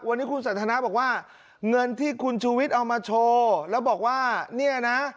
วันนี้คุณสันทนาบอกว่าเงินที่คุณชูวิทย์เอามาโชว์แล้วบอกว่าเนี่ยนะ